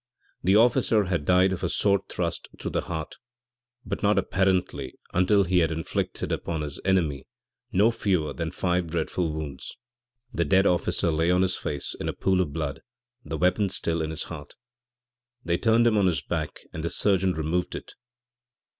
The officer had died of a sword thrust through the heart, but not, apparently, until he had inflicted upon his enemy no fewer than five dreadful wounds. The dead officer lay on his face in a pool of blood, the weapon still in his heart. They turned him on his back and the surgeon removed it.